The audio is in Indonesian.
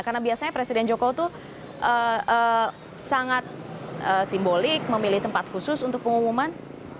karena biasanya presiden jokowi itu sangat simbolik memilih tempat khusus untuk pengumuman